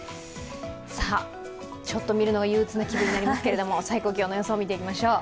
ちょっと見るのが憂鬱な気分になりますけども、最高気温の予想を見ていきましょう。